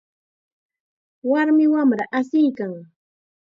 Warmi wamra asiykan.